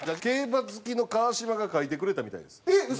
競馬好きの川島が描いてくれたみたいです。